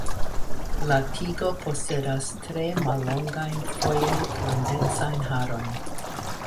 La tigo posedas tre mallongajn foje glandecajn harojn.